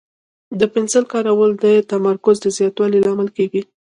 د پنسل کارول د تمرکز د زیاتوالي لامل کېږي.